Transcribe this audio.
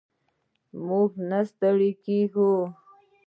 موږ نه ستړي کیږو.